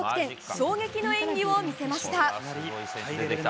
衝撃の演技を見せました。